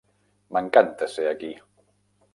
M'encanta ser aquí.